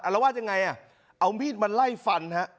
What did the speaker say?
อารวาสยังไงเอามีดมันไล่ฟัน